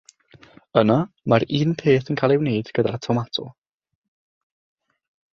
Yna mae'r un peth yn cael ei wneud gyda'r tomato.